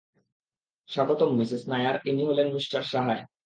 স্বাগতম মিসেস নায়ার, ইনি হলেন মিস্টার সাহায়।